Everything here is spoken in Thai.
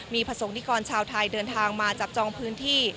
มีประสงค์นิกรชาวไทยเดินทางมาจับจองพื้นที่